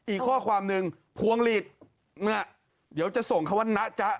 อีกข้อความหนึ่งพวงหลีดเนี่ยเดี๋ยวจะส่งเขาว่านะจ๊ะ